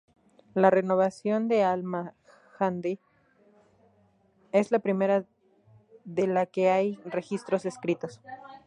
La renovación de al-Mahdi es la primera de la que hay registros escritos.